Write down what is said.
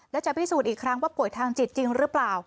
และจะพิสูจน์อีกครั้งว่าป่วยทางจิตจริงหรือเปล่า